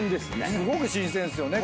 すごく新鮮ですよね。